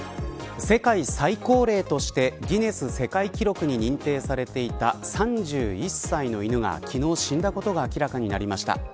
世界最高齢としてギネス世界記録に認定されていた３１歳の犬が昨日、死んだことが明らかになりました。